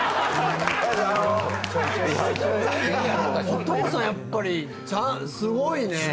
お父さんやっぱりすごいね。